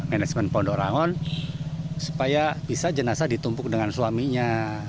manajemen pondok rangon supaya bisa jenazah ditumpuk dengan suaminya